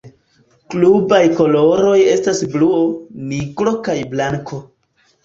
Klubaj koloroj estas bluo, nigro kaj blanko.